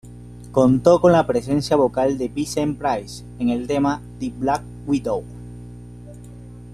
Contó con la presencia vocal de Vincent Price en el tema "The Black Widow".